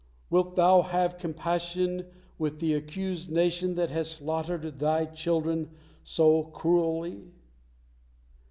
Wilt Thou have compassion with the accursed nation that has slaughtered Thy children so cruelly?"